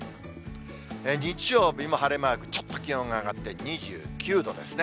日曜日、晴れマーク、ちょっと気温が上がって２９度ですね。